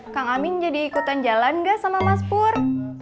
kang amin jadi ikutan jalan gak sama mas pur